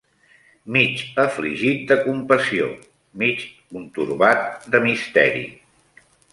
Mig afligit de compassió, mig contorbat de misteri.